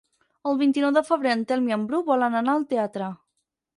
El vint-i-nou de febrer en Telm i en Bru volen anar al teatre.